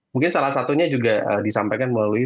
mungkin salah satunya juga disampaikan melalui